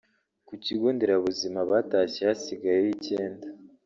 ku kigo nderabuzima batashye hasigayeyo icyenda